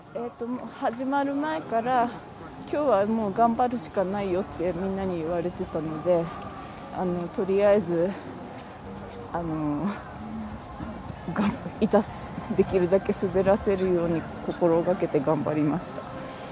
始まる前から今日は、頑張るしかないよってみんなに言われていたのでとりあえず板をできるだけ滑らせるように心がけて頑張りました。